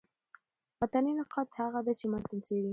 متني نقاد هغه دﺉ، چي متن څېړي.